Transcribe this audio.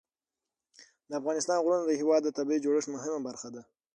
د افغانستان غرونه د هېواد د طبیعي جوړښت مهمه برخه ده.